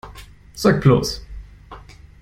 Sag bloß!